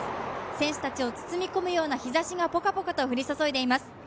選手たちを包み込むような日ざしがポカポカと降り注いでいます。